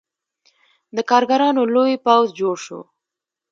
د کارګرانو لوی پوځ جوړ شو.